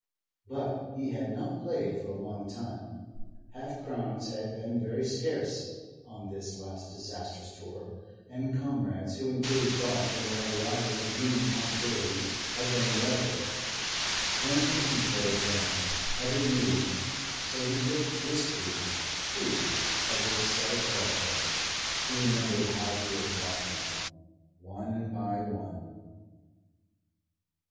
But he had not played for a long time. Half crowns had been very scarce on this last disastrous tour, and comrades who included golf in their horizon of human possibilities had been rarer. When would he play again? Heaven knew! So he looked wistfully, too, at his set of golf clubs. He remembered how he had bought them one by one.